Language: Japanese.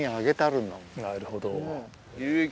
なるほど。